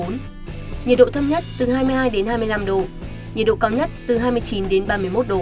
nhiệt độ thấp nhất từ hai mươi hai đến hai mươi năm độ nhiệt độ cao nhất từ hai mươi chín đến ba mươi một độ